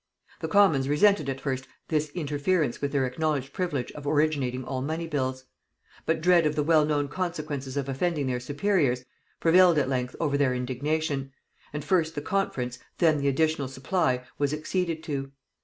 The commons resented at first this interference with their acknowledged privilege of originating all money bills; but dread of the well known consequences of offending their superiors, prevailed at length over their indignation; and first the conference, then the additional supply, was acceded to.